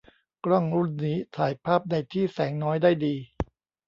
กล้องรุ่นนี้ถ่ายภาพในที่แสงน้อยได้ดี